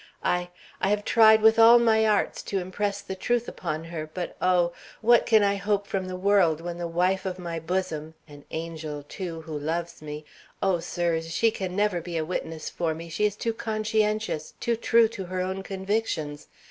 I I have tried with all my arts to impress the truth upon her, but oh, what can I hope from the world when the wife of my bosom an angel, too, who loves me oh, sirs, she can never be a witness for me; she is too conscientious, too true to her own convictions.